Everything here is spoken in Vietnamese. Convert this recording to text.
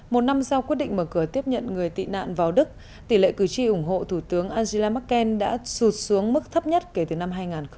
một năm sau quyết định mở cửa tiếp nhận người tị nạn vào đức tỷ lệ cử tri ủng hộ thủ tướng angela merkel đã sụt xuống mức thấp nhất kể từ năm hai nghìn một mươi